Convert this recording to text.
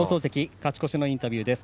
勝ち越しのインタビューです。